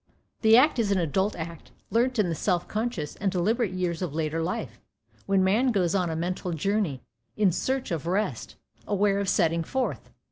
That act is an adult act, learnt in the self conscious and deliberate years of later life, when man goes on a mental journey in search of rest, aware of setting forth.